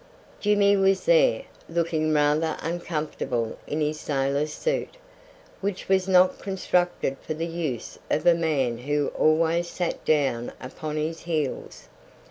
Jimmy was there, looking rather uncomfortable in his sailor's suit, which was not constructed for the use of a man who always sat down upon his heels.